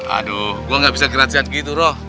aduh gua gak bisa kerasiat gitu roh